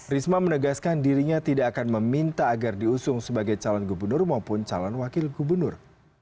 risma menegaskan dirinya tidak akan meminta agar diusung sebagai calon gubernur maupun calon wakil gubernur